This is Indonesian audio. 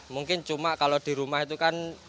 mungkin cuma kalau di rumah itu kan